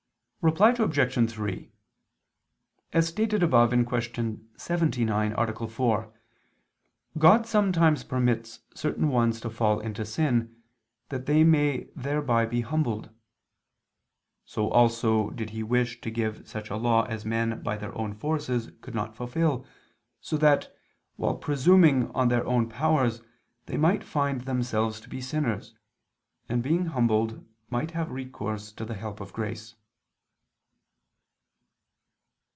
Reply Obj. 3: As stated above (Q. 79, A. 4), God sometimes permits certain ones to fall into sin, that they may thereby be humbled. So also did He wish to give such a law as men by their own forces could not fulfill, so that, while presuming on their own powers, they might find themselves to be sinners, and being humbled might have recourse to the help of grace.